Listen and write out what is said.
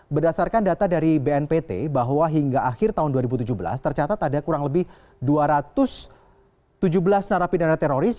berdasarkan data dari bnpt bahwa hingga akhir tahun dua ribu tujuh belas tercatat ada kurang lebih dua ratus tujuh belas narapidana teroris